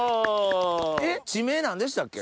地名何でしたっけ？